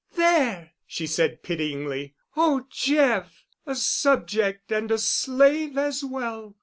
"There!" she said pityingly. "Oh, Jeff! a subject and a slave as well!